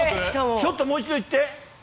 ちょっともう一回言って。